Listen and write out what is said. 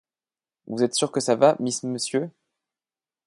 Vous êtes sûre que ça va, Miss Monsieur ?